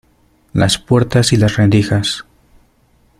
las puertas y las rendijas.